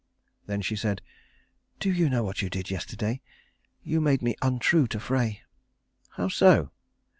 Then she said, "Do you know what you did yesterday? You made me untrue to Frey." "How so?"